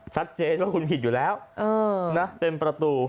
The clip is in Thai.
ชัดเจนว่าคุณผิดอยู่แล้วนะเต็มประตู